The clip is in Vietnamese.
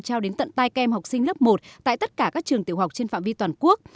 trao đến tận tai kem học sinh lớp một tại tất cả các trường tiểu học trên phạm vi toàn quốc